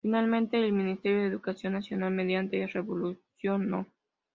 Finalmente, El Ministerio de Educación Nacional, mediante Resolución No.